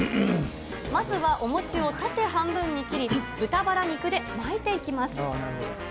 まずはお餅を縦半分に切り、豚バラ肉で巻いていきます。